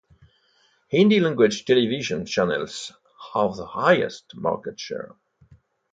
Hindi-language television channels have the highest market share.